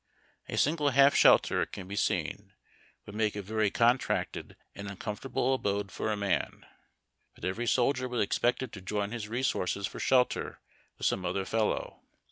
A single half shelter, it can be seen, would make a yery contracted and uncomfortable abode for a man ; but every soldier was ex pected to join his resources for shelter with some other fel low.